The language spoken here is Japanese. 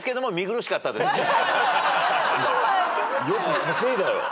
よく稼いだよ。